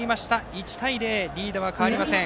１対０、リードは変わりません。